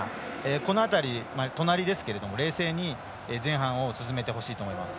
この辺り、隣ですけれども冷静に前半を進めてほしいと思います。